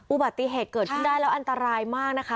อุบัติเหตุเกิดขึ้นได้แล้วอันตรายมากนะคะ